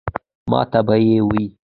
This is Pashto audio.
ماته به ئې وې ـ